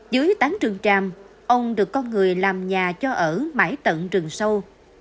dưới tán trường tràm ông được con người làm nhà cho ở mãi tận trường sâu